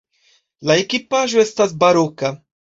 La ekipaĵo estas baroka.